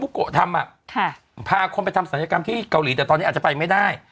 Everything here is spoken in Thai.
โกะทำอ่ะค่ะพาคนไปทำศัลยกรรมที่เกาหลีแต่ตอนนี้อาจจะไปไม่ได้